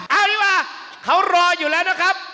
เอาดีกว่าเขารออยู่แล้วนะครับ